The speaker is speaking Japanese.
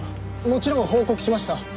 もちろん報告しました。